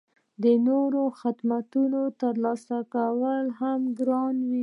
د نورو خدماتو ترلاسه کول هم ګران وي